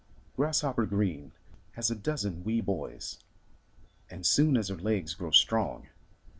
Grasshopper Green has a dozen wee boys, And, soon as their legs grow strong.